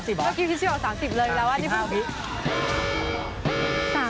เมื่อกี้พิชิบอก๓๐เลยอีกแล้วอ่ะ